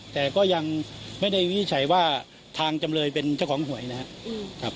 แต่ก็ยังไม่ได้วินิจฉัยว่าทางจำเลยเป็นเจ้าของหวยนะครับ